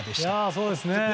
そうですね。